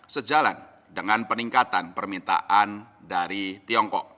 sejalan dengan peningkatan permintaan dari tiongkok